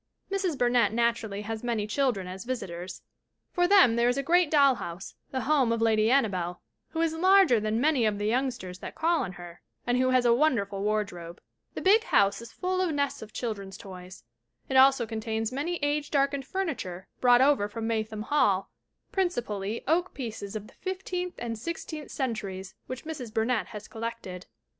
Mrs. Burnett naturally has many children as visitors. For them there is a great doll house, the home of Lady Annabelle, who is larger than many of the youngsters that call on her, and who has a won derful wardrobe. The big house is full of nests of FRANCES HODGSON BURNETT 361 children's toys. It also contains much age darkeiud furniture brought over from Maytham Hall, princi pally oak pieces of the fifteenth and sixteenth cen turies which Mrs. Burnett has collected.